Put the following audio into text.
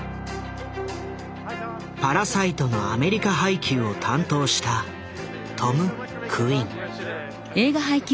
「パラサイト」のアメリカ配給を担当したトム・クイン。